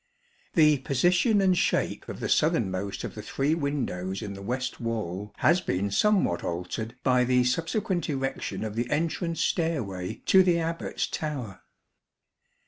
The position and shape of the southernmost of the three windows in the west wall has been somewhat altered by the subsequent erection of the entrance stairway to the Abbat's tower.